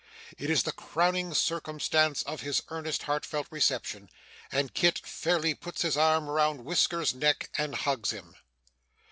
It is the crowning circumstance of his earnest, heartfelt reception; and Kit fairly puts his arm round Whisker's neck and hugs him.